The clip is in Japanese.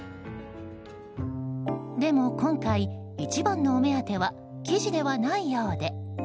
でも今回、一番のお目当ては生地ではないようで。